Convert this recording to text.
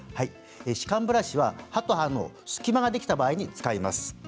歯間ブラシは歯と歯の隙間ができた場合に使います。